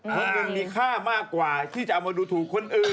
เพราะมันมีค่ามากกว่าที่จะเอามาดูถูกคนอื่น